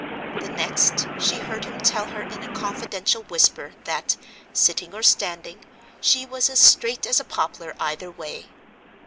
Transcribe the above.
The next, she heard him tell her in a confidential whisper that, sitting or standing, she was as straight as a poplar either way.